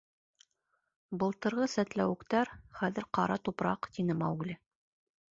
— Былтырғы сәтләүектәр — хәҙер ҡара тупраҡ, — тине Маугли.